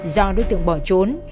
do đối tượng bỏ trốn